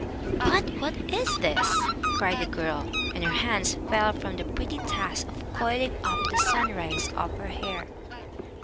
"But what is this?" cried the girl, and her hands fell from the pretty task of coiling up the sunrise of her hair.